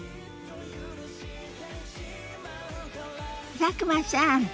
佐久間さん